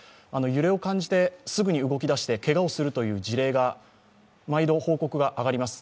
揺れを感じてすぐに動き出してけがをするという事例が毎度報告が上がります。